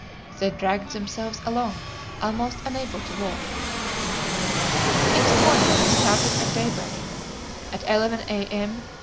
They dragged themselves along, almost unable to walk. Next morning they started at daybreak. At 11 A. M.